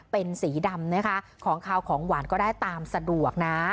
เป็นสีดำนะคะของขาวของหวานก็ได้ตามสะดวกนะ